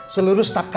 seluruh staf kandung